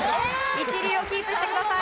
一流をキープしてください